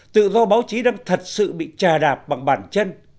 tự do báo chí đang thật sự bị trà đạp bằng bản chân